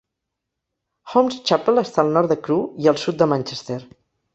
Holmes Chapel està al nord de Crewe i al sud de Manchester.